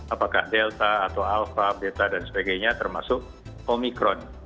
apakah delta atau alpha beta dan sebagainya termasuk omikron